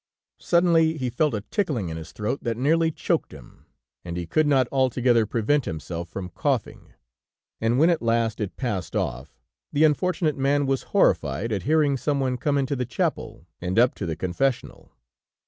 Suddenly, he felt a tickling in his throat that nearly choked him, and he could not altogether prevent himself from coughing, and when at last it passed off, the unfortunate man was horrified at hearing some one come into the chapel and up to the confessional.